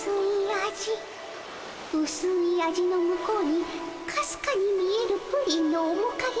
うすい味の向こうにかすかに見えるプリンのおもかげ。